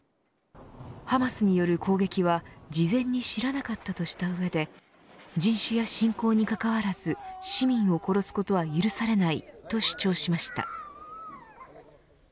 ハマスによる攻撃は、事前に知らなかったとした上で人種や信仰にかかわらず市民を殺すことは許されないと主張しました。